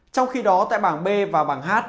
trong khi đó tại bảng b và bảng h